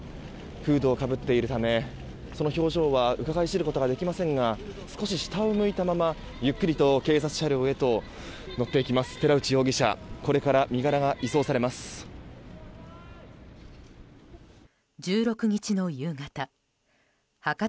フードをかぶっているためその表情はうかがい知ることはできませんが少し下を向いたまま、ゆっくりと警察車両へと乗っていきます。